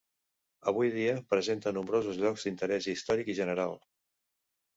Avui dia, presenta nombrosos llocs d'interès històric i general.